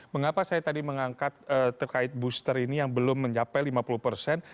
mengapa saya tadi mengangkat terkait booster ini yang belum mencapai lima puluh persen